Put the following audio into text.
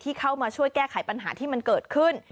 เข้ามาช่วยแก้ไขปัญหาที่มันเกิดขึ้น